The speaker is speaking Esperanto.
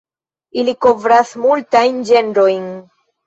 Ili kovras multajn ĝenrojn.